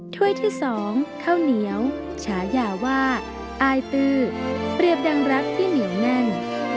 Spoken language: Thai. ถ้วยที่๒ข้าวเหนียวฉายาว่าอายตื้อเปรียบดังรักที่เหนียวแน่น